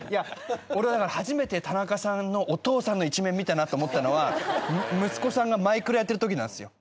俺、だから、初めて田中さんのお父さんの一面見たなと思ったのは息子さんが『マイクラ』やってる時なんですよ。